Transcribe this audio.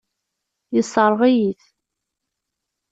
Yessṛeɣ-iyi-t.